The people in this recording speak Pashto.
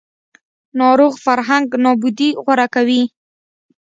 ناروغ فرهنګ نابودي غوره کوي